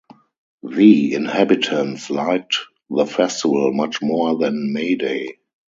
The inhabitants liked the festival much more than May Day.